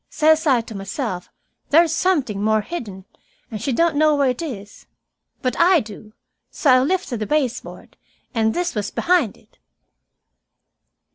Says I to myself, there's something more hidden, and she don't know where it is. But I do. So I lifted the baseboard, and this was behind it."